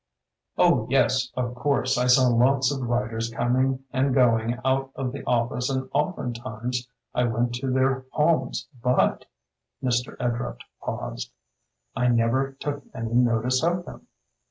"Oh, yes, of course, I saw lots of writers coming and going out of the office and oftentimes I went to their homes but", Mr. Edrupt paused, "I never took any notice of them.